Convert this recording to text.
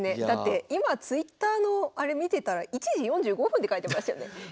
だって今ツイッターのあれ見てたら１時４５分って書いてましたよね。